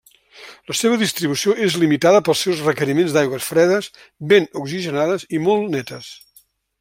La seua distribució és limitada pels seus requeriments d'aigües fredes, ben oxigenades i molt netes.